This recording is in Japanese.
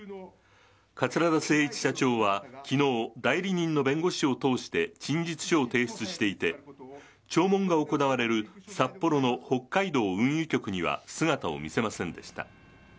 桂田精一社長は、きのう、代理人の弁護士を通して陳述書を提出していて、聴聞が行われる札幌の北海道運輸局には姿を見せませんでした。